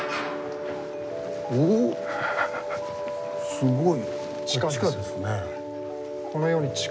すごい。